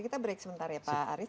kita break sebentar ya pak arief